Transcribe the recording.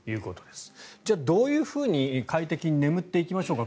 じゃあ、どういうふうに快適に眠っていきましょうか。